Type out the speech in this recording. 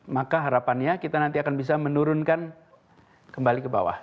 maka harapannya kita nanti akan bisa menurunkan kembali ke bawah